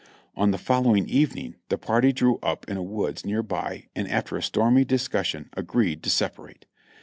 On the following evening the party drew up in a woods near by and after a stormy discussion agreed to separate.